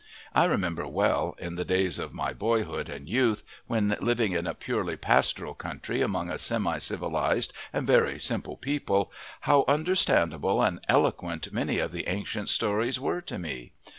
I remember well in the days of my boyhood and youth, when living in a purely pastoral country among a semi civilized and very simple people, how understandable and eloquent many of the ancient stories were to me.